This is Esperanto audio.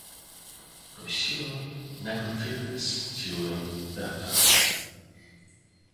Rusio ne konfirmis tiujn perdojn.